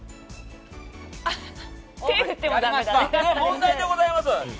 問題でございます。